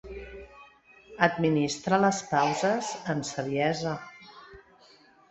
Administra les pauses amb saviesa.